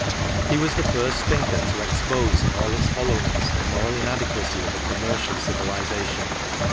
He was the first thinker to expose in all its hoUowness the moral inadequacy of a commercial civilization.